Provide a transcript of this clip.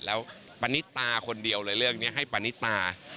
แล้วปณิตาคนเดียวเลยเรื่องนี้ให้ปณิตา